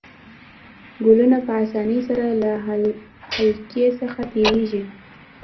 ګلوله په اسانۍ سره له حلقې څخه تیریږي.